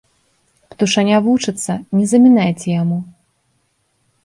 Птушаня вучыцца, не замінайце яму!